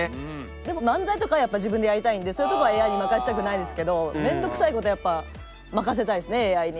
でも漫才とかはやっぱ自分でやりたいんでそういうとこはＡＩに任せたくないですけど面倒くさいことはやっぱ任せたいですねＡＩに。